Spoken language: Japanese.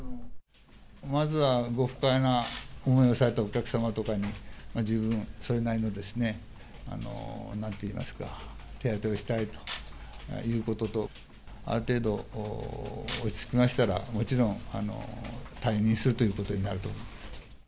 まずはご不快な思いをされたお客様とかに、十分、それなりのですね、なんていいますか、手当てをしたいということと、ある程度落ち着きましたら、もちろん、退任するということになると思います。